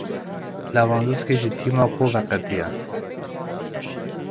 Lewandowski ji tîma xwe veqetiya.